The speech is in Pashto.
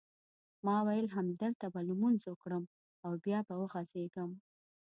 ما وېل همدلته به لمونځ وکړم او بیا به وغځېږم.